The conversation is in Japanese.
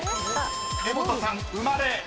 ［柄本さん「うまれ」］